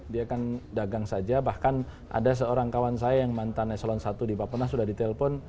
dia kan dagang saja bahkan ada seorang kawan saya yang mantan eselon satu di papua sudah ditelepon